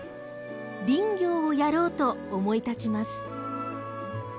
林業をやろう！と思い立ちます。